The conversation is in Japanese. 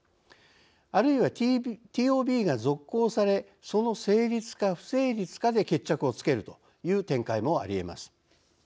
あるいはＴＯＢが続行されその成立か不成立かで決着をつけるという展開もありえます。